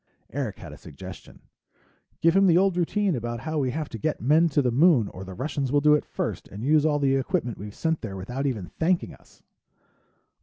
Eric had a suggestion. "Give him the old routine about how we have to get men to the Moon or the Russians will do it first and use all the equipment we've sent there without even thanking us."